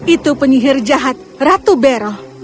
itu penyihir jahat ratu bery